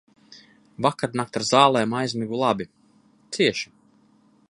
Vakarnakt ar zālēm aizmigu labi, cieši.